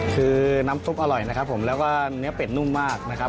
คือน้ำซุปอร่อยนะครับผมแล้วก็เนื้อเป็ดนุ่มมากนะครับ